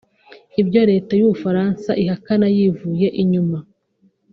ibyo Leta y’u Bufaransa ihakana yivuye inyuma